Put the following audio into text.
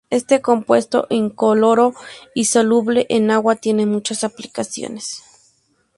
Este compuesto incoloro y soluble en agua tiene muchas aplicaciones.